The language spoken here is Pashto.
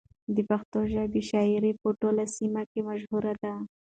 د پښتو ژبې شاعري په ټوله سیمه کې مشهوره ده.